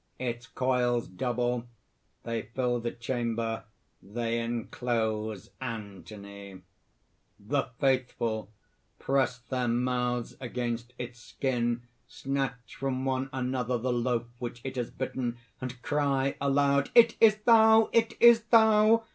Its coils double; they fill the chamber; they enclose Anthony._) THE FAITHFUL (press their mouths against its skin, snatch from one another the loaf which it has bitten, and cry aloud: ) "It is thou! it is thou!